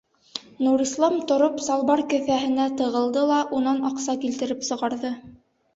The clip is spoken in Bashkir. Нурислам тороп салбар кеҫәһенә тығылды ла унан аҡса килтереп сығарҙы.